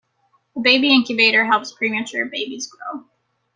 A baby incubator helps premature babies grow.